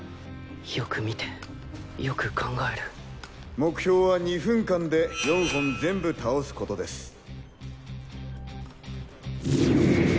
よく見てよく考える目標は２分間で４本全部倒すことです。